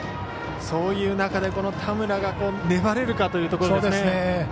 そういう中で田村が粘れるかというところですね。